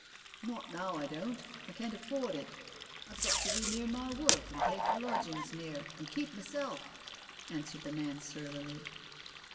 " Not now, I don't. I can't afford it. I've got to be near my work and pay for lodgings near and keep myself," answered the man surlily.